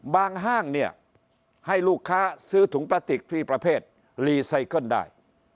ห้างเนี่ยให้ลูกค้าซื้อถุงพลาสติกฟรีประเภทรีไซเคิลได้